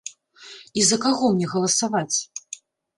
І за каго мне галасаваць?